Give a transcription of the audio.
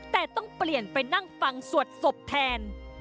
แต่ต้องเปลี่ยนไปนั่งฟังสวดศพแทน